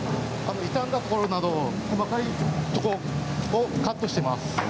傷んだところなど細かいところをカットしています。